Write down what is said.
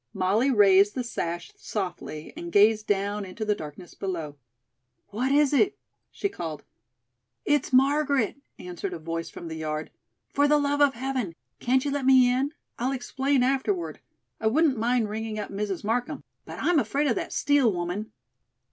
Molly raised the sash softly and gazed down into the darkness below. "What is it?" she called. "It's Margaret," answered a voice from the yard. "For the love of heaven, can't you let me in? I'll explain afterward. I wouldn't mind ringing up Mrs. Markham, but I'm afraid of that Steel woman."